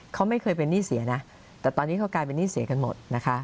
เขาไม่เคยเป็นหนี้เสียนะแต่ตอนนี้เขากลายเป็นหนี้เสียกันหมดนะคะ